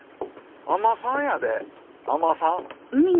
海女さんやで海女さん。